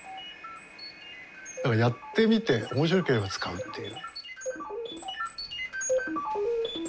だからやってみて面白ければ使うっていう。